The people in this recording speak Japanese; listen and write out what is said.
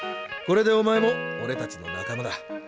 これでお前もオレたちの仲間だ。